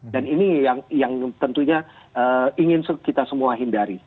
dan ini yang tentunya ingin kita semua hindari